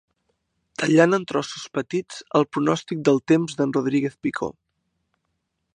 Tallant en trossos petits el pronòstic del temps d'en Rodríguez Picó.